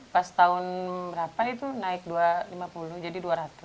pas tahun berapa itu naik lima puluh jadi dua ratus